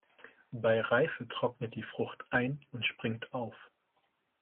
Bei Reife trocknet die Frucht ein und springt auf.